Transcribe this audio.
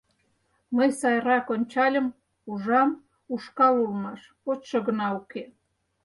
Мый сайрак ончальым, ужам — ушкал улмаш, почшо гына уке.